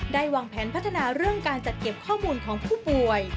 วางแผนพัฒนาเรื่องการจัดเก็บข้อมูลของผู้ป่วย